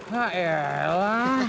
hah ya elah